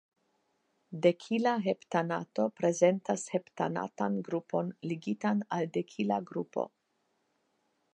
Dekila heptanato prezentas heptanatan grupon ligitan al dekila grupo.